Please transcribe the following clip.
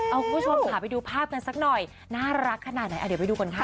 เอาคุณผู้ชมค่ะไปดูภาพกันสักหน่อยน่ารักขนาดไหนอ่ะเดี๋ยวไปดูก่อนค่ะ